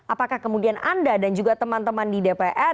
apakah kemudian anda dan juga teman teman di dpr